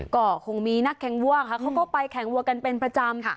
ก็คงมีนักแข่งวัวค่ะเขาก็ไปแข่งวัวกันเป็นประจำ